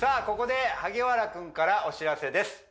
ここで萩原君からお知らせです